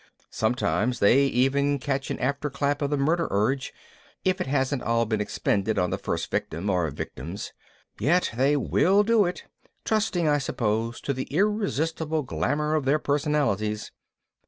Sometimes they even catch an after clap of the murder urge, if it hasn't all been expended on the first victim or victims. Yet they will do it, trusting I suppose to the irresistible glamor of their personalities.